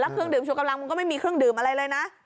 เครื่องดื่มชูกำลังมันก็ไม่มีเครื่องดื่มอะไรเลยนะ